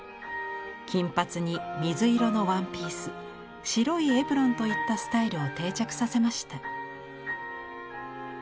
金髪に水色のワンピース白いエプロンといったスタイルを定着させました。